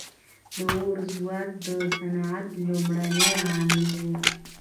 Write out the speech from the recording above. • د اور ځواک د صنعت لومړنی عامل و.